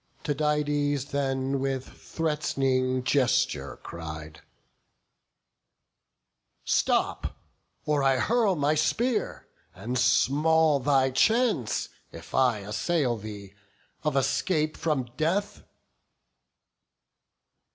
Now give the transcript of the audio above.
Tydides then with threat'ning gesture cried, "Stop, or I hurl my spear; and small thy chance, If I assail thee, of escape from death."